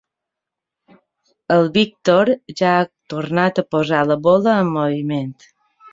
El Víctor ja ha tornat a posar la bola en moviment.